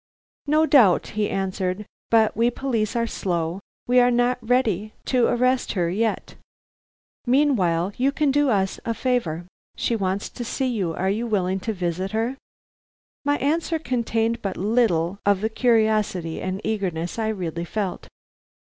"No doubt," he answered. "But we police are slow; we are not ready to arrest her yet. Meanwhile you can do us a favor. She wants to see you; are you willing to visit her?" My answer contained but little of the curiosity and eagerness I really felt.